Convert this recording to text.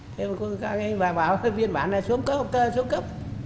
thế mà các anh bà bảo viên bán là xuống cấp xuống cấp